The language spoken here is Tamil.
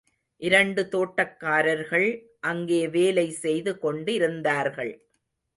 இரண்டு தோட்டக்காரர்கள் அங்கே வேலை செய்து கொண்டிருந்தார்கள்.